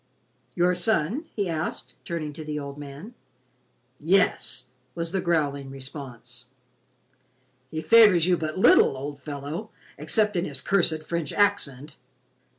"Your son?" he asked, turning to the old man. "Yes," was the growling response. "He favors you but little, old fellow, except in his cursed French accent.